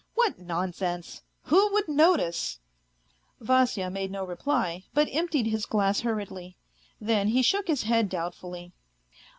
What nonsense ! Who would notice ?" Vasya, made no reply, but emptied lus glass hurriedly. Then he shook his head doubtfully.